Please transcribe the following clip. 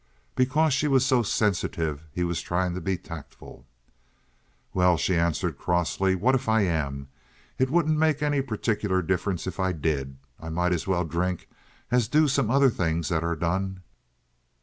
Because she was so sensitive he was trying to be tactful. "Well," she answered, crossly, "what if I am? It wouldn't make any particular difference if I did. I might as well drink as do some other things that are done."